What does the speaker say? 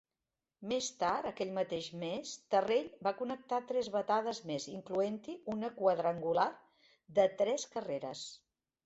Més tard aquell mateix mes, Terrell va connectar tres batades més, incloent-hi un quadrangular de tres carreres.